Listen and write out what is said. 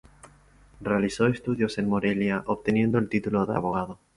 Realizó sus estudios en Morelia obteniendo el título de abogado.